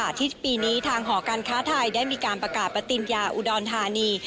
วันอาทิตย์ปีนี้ทางหอการค้าไทยได้มีการประกาศประติมยาอุดรธานี